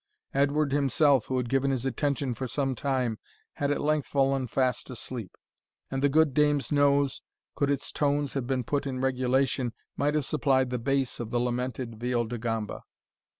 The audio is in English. Edward himself, who had given his attention for some time, had at length fallen fast asleep; and the good dame's nose, could its tones have been put in regulation, might have supplied the bass of the lamented viol de gamba.